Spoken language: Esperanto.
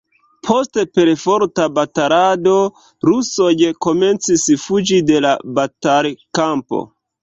Post perforta batalado rusoj komencis fuĝi de la batalkampo.